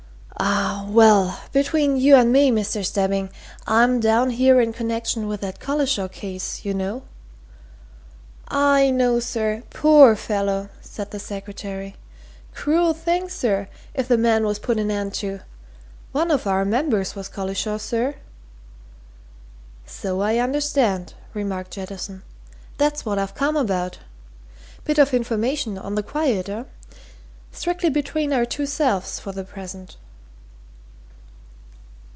Ah! well, between you and me, Mr. Stebbing, I'm down here in connection with that Collishaw case you know." "I know, sir poor fellow!" said the secretary. "Cruel thing, sir, if the man was put an end to. One of our members, was Collishaw, sir." "So I understand," remarked Jettison. "That's what I've come about. Bit of information, on the quiet, eh? Strictly between our two selves for the present."